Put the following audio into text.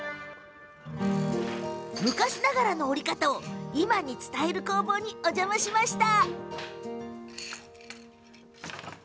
昔ながらの織り方を今に伝える工房にお邪魔しました。